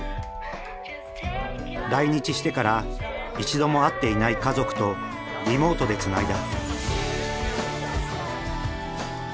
来日してから一度も会っていない家族とリモートでつないだ。